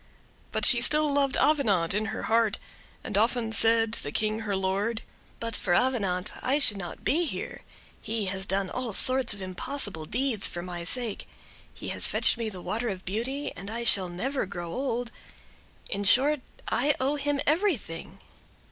But she still loved Avenant in her heart, and often said to the King her lord: "But for Avenant I should not be here; he has done all sorts of impossible deeds for my sake; he has fetched me the water of beauty, and I shall never grow old—in short, I owe him everything."